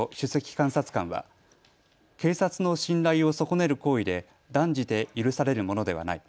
監察官は警察の信頼を損ねる行為で断じて許されるものではない。